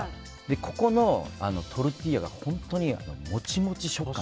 ここのトルティーヤが本当にモチモチ食感。